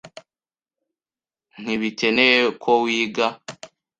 Ntibikenewe ko wiga.